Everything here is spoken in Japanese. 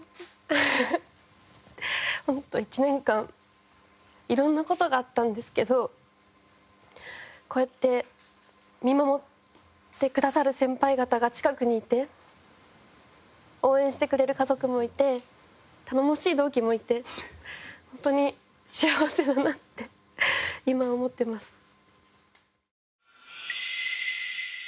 本当１年間色んな事があったんですけどこうやって見守ってくださる先輩方が近くにいて応援してくれる家族もいて頼もしい同期もいて本当に幸せだなって今思ってます。